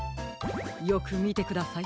よくみてください。